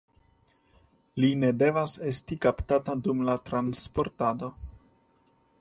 Li ne devas esti kaptata dum la transportado.